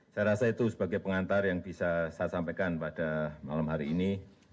saya rasa itu sebagai pengantar yang bisa saya sampaikan pada malam hari ini